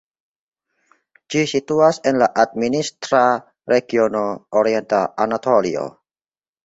Ĝi situas en la administra regiono Orienta Anatolio.